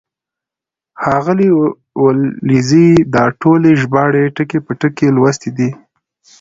ښاغلي ولیزي دا ټولې ژباړې ټکی په ټکی لوستې دي.